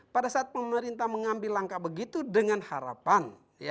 pada saat pemerintah mengambil langkah begitu dengan harapan